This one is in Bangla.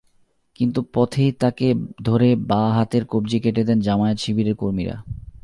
কিন্তু পথেই তাঁকে ধরে বাঁ হাতের কবজি কেটে দেন জামায়াত-শিবিরের কর্মীরা।